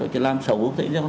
chị làm xấu